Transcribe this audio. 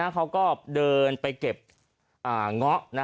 เขาก็เดินไปเก็บเงาะ